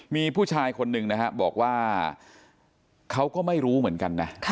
มีผู้ชายคนหนึ่งนะฮะบอกว่าเขาก็ไม่รู้เหมือนกันนะ